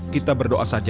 kita berdoa saja